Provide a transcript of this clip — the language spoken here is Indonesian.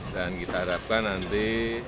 dan kita harapkan nanti